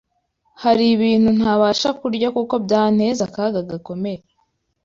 Hari ibintu ntabasha kurya kuko byanteza akaga gakomeye